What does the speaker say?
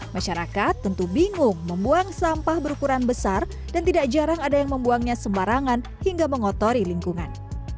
masyarakat tentu bingung membuang sampah berukuran besar dan tidak jarang ada yang membuangnya sembarangan hingga mengotori lingkungan